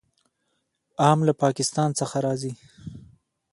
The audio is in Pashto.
ام له پاکستان څخه راځي.